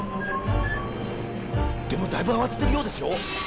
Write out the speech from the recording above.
でもだいぶ慌ててるようですよ。